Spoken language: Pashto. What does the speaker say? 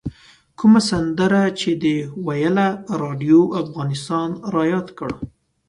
کومه سندره چې ده ویله راډیو افغانستان رایاد کړ.